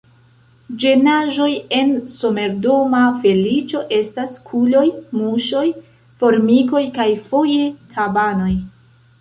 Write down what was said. Ĝenaĵoj en somerdoma feliĉo estas kuloj, muŝoj, formikoj kaj foje tabanoj.